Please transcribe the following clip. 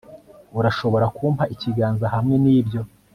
urashobora kumpa ikiganza hamwe nibyo